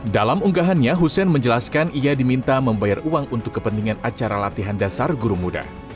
dalam unggahannya hussein menjelaskan ia diminta membayar uang untuk kepentingan acara latihan dasar guru muda